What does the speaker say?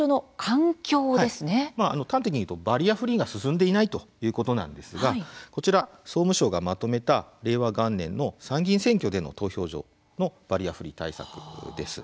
端的に言うとバリアフリーが進んでいないということなんですがこちら総務省がまとめた令和元年の参議院選挙での投票所のバリアフリー対策です。